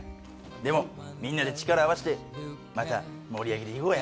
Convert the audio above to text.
でもみんなで力を合わせてまた盛り上げていこうや。